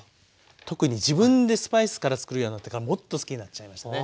特に自分でスパイスからつくるようになってからもっと好きになっちゃいましたね。